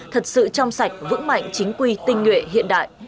thật sự trong sạch vững mạnh chính quy tinh nguyện hiện đại